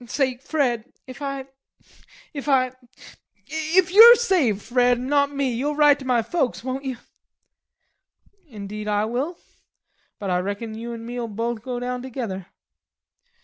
"Say, Fred, if I... if I... if you're saved, Fred, an' not me, you'll write to my folks, won't you?" "Indeed I will. But I reckon you an' me'll both go down together."